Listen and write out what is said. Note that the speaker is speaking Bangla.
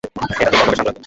এটা তোর কণ্ঠকে শান্ত রাখবে।